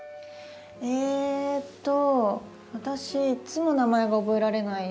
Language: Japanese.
えっと私いつも名前が覚えられない。